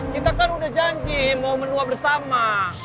kita kan udah janji mau menua bersama